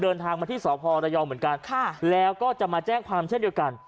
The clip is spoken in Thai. เดินทางมาที่สพระยองเหมือนกันค่ะแล้วก็จะมาแจ้งความเช่นเดียวกัน